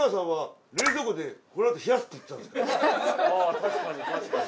確かに確かに。